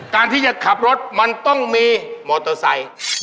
การที่จะขับรถมันต้องมีมอเตอร์ไซค์